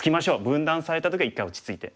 分断された時は一回落ち着いて。